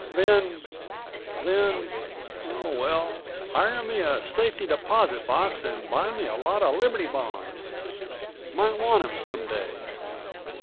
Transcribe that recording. Then—then—Oh, well, hire me a safety deposit box and buy me a lot of Liberty bonds. Might want 'em some day.